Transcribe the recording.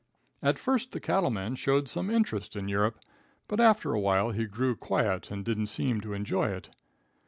At first the cattle man showed some interest in Europe, but after awhile he grew quiet and didn't seem to enjoy it.